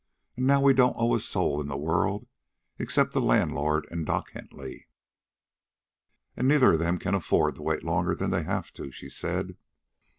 "An' now we don't owe a soul in this world except the landlord an' Doc Hentley." "And neither of them can afford to wait longer than they have to," she said.